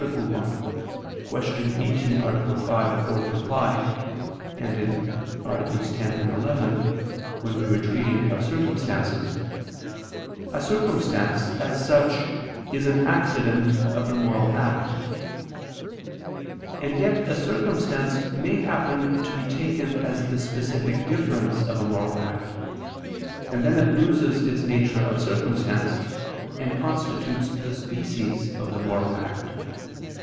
1; Q. 18, A. 5, ad 4; AA. 10, 11), when we were treating of circumstances, a circumstance, as such, is an accident of the moral act: and yet a circumstance may happen to be taken as the specific difference of a moral act, and then it loses its nature of circumstance, and constitutes the species of the moral act.